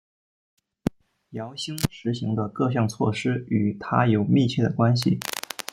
姚兴实行的各项措施与他有密切的关系。